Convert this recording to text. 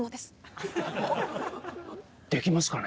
あっできますかね？